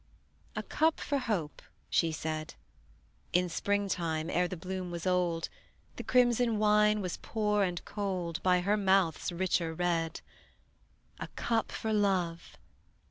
"A cup for hope!" she said, In springtime ere the bloom was old: The crimson wine was poor and cold By her mouth's richer red. "A cup for love!"